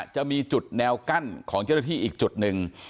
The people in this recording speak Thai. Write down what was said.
จะมีจุดแนวกั้นของเจ้าหน้าที่อีกจุดหนึ่ง